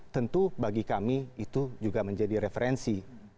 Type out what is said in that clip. tentu bagi kami itu juga menjadi referensi